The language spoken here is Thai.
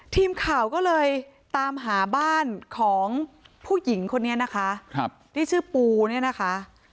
ทีมข่าวก็เลยตามหาบ้านของผู้หญิงคนนี้นะคะที่ชื่อปูเนี่ยนะคะ